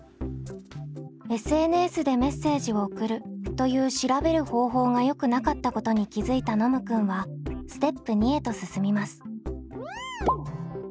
「ＳＮＳでメッセージを送る」という調べる方法がよくなかったことに気付いたノムくんはステップ２へと進みます。